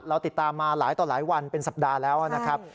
เราติดตามมาหลายต่อหลายวันเป็นสัปดาห์แล้วนะครับ